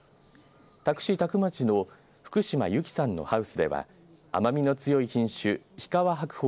多久市多久町の福島由紀さんのハウスでは甘みの強い品種、日川白鳳